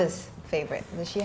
dan favorit ibu kalian